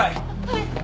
はい。